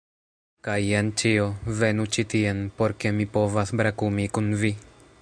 Kaj jen ĉio, venu ĉi tien, por ke mi povas brakumi kun vi